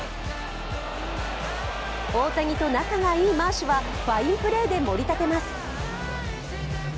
大谷と仲がいいマーシュはファインプレーでもり立てます。